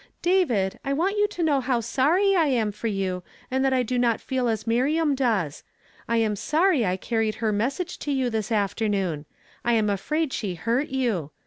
"David, I want you to know how sorry I „ni for yo , and that I do not feel as Miriam dees. I am sorry I carried her message to you this after noon ; I am afraid she hurt you.